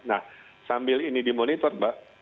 nah sambil ini dimonitor mbak